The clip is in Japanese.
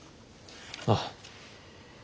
ああ。